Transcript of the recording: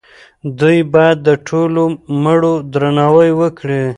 دوی باید د ټولو مړو درناوی وکړي.